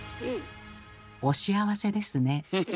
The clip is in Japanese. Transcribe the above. お幸せですね。